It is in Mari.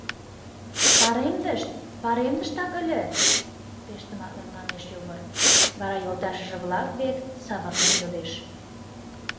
— Паремдышт, паремдыштак ыле, — пеш тыматлын манеш Йогор, вара йолташыже-влак век савырнен йодеш: